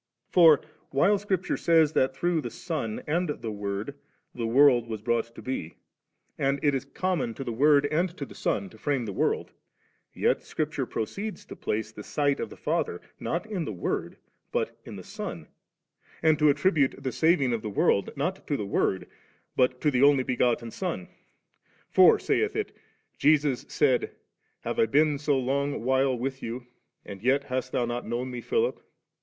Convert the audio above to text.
For, while Scripture says that through the Son and the Word the world was brought to be, and it is common to the Word and to the Son to frame the world, yet Scripture proceeds to place the sight of the Father, not in the Word but in the Son, and to attribute the saving of the world, not to the Word, but to the Only begotten Son. For, saith it, Jesus said, * Have I been so long while with you, and yet hast thou not known Me, Philip